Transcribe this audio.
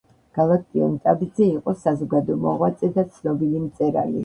გალაქტიონ ტაბიძე იყო საზოგადო მოღვაწე და ცნობლი მწერალი.